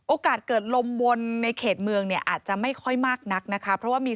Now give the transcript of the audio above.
โอกาสเกิดลมวนในเขตเมืองเนี่ยอาจจะไม่ค่อยมากนักนะคะเพราะว่ามี